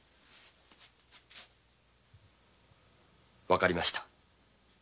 わかりました。